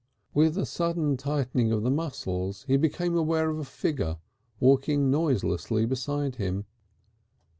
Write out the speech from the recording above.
With a sudden tightening of the muscles he became aware of a figure walking noiselessly beside him.